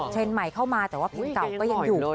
ใหม่เข้ามาแต่ว่าเพลงเก่าก็ยังอยู่